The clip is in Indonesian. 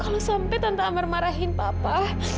kalau sampai tante ambar marahin papa